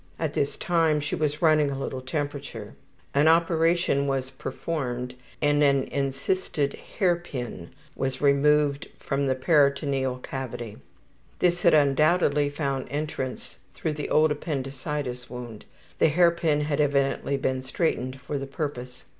At this time she was running a little temperature. An operation was performed and an encysted hairpin was removed from the peritoneal cavity. This had undoubtedly found entrance through the old appendicitis wound; the hairpin had evidently been straightened for the purpose.